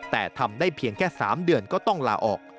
แต่ทำได้เพียงแค่๓เดือนก็ต้องลาออก